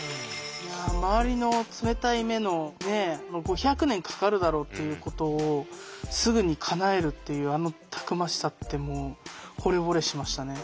周りの冷たい目の５００年かかるだろうっていうことをすぐにかなえるっていうあのたくましさってもうほれぼれしましたね。